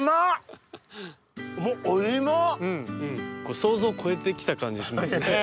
想像超えてきた感じします。